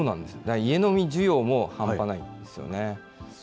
家飲み需要も半端ないんですよね。